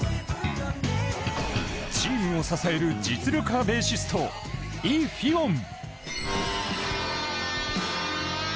チームを支える実力派ベーシストイ・フィウォン。